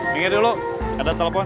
ringir dulu ada telepon